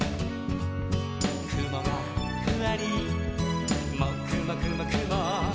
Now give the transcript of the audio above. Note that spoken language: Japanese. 「くもがふわりもくもくもくも」